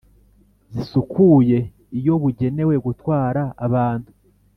zisukuye iyo bugenewe gutwara abantu;